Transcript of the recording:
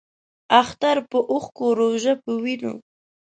اختر پۀ اوښکو ، روژۀ پۀ وینو